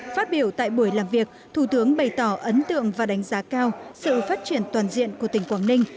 phát biểu tại buổi làm việc thủ tướng bày tỏ ấn tượng và đánh giá cao sự phát triển toàn diện của tỉnh quảng ninh